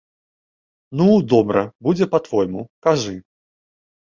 Ну, добра, будзе па-твойму, кажы.